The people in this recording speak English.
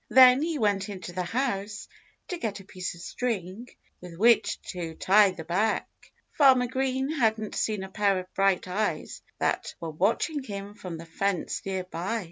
Then he went into the house to get a piece of string with which to tie the bag. Farmer Green hadn't seen a pair of bright eyes that were watching him from the fence near by.